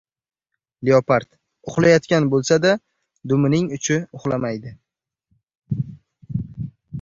• Leopard uxlayotgan bo‘lsa-da, dumining uchi uxlamaydi.